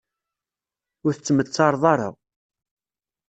Ur tettmettareḍ ara.